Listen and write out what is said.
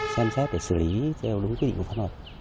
xem xét để xử lý theo đúng quy định của pháp luật